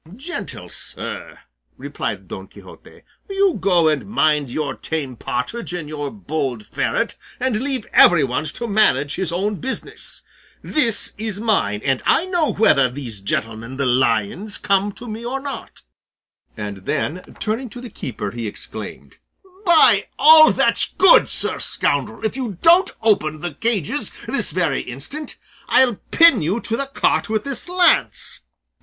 "Gentle sir," replied Don Quixote, "you go and mind your tame partridge and your bold ferret, and leave everyone to manage his own business; this is mine, and I know whether these gentlemen the lions come to me or not;" and then turning to the keeper he exclaimed, "By all that's good, sir scoundrel, if you don't open the cages this very instant, I'll pin you to the cart with this lance."